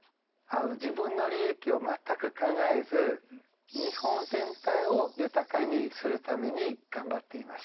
自分の利益を全く考えず日本全体を豊かにするために頑張っていました。